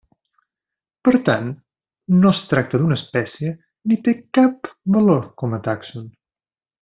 Per tant no es tracta d'una espècie ni té cap valor com a tàxon.